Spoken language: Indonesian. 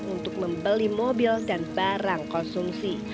untuk membeli mobil dan barang konsumsi